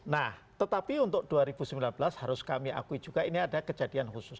nah tetapi untuk dua ribu sembilan belas harus kami akui juga ini ada kejadian khusus